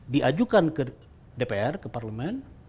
diajukan ke dpr ke parlemen